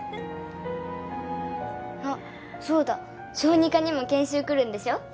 あっそうだ小児科にも研修来るんでしょ？